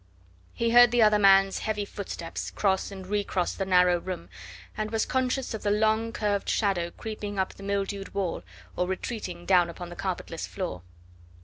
He heard the other man's heavy footsteps cross and re cross the narrow room, and was conscious of the long curved shadow creeping up the mildewed wall or retreating down upon the carpetless floor.